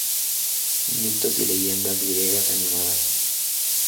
Mitos y leyendas griegas animadas".